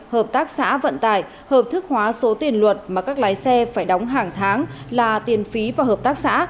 hợp tác xã vận tải hợp thức hóa số tiền luật mà các lái xe phải đóng hàng tháng là tiền phí và hợp tác xã